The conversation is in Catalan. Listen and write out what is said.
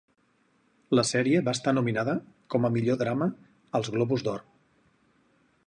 La sèrie va estar nominada com a millor drama als Globus d'Or.